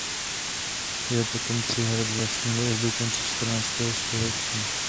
Jeho potomci hrad vlastnili až do konce čtrnáctého století.